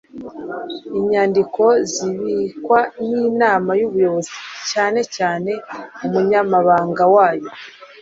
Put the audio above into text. inyandiko zibikwa n'inama y'ubuyobozi cyane cyane umunyamabanga wayo